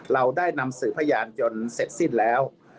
เราได้นำสื่อพยานยนต์เสร็จสิ้นแล้ว